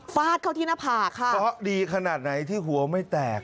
ฟาดเข้าที่หน้าผากค่ะเพราะดีขนาดไหนที่หัวไม่แตก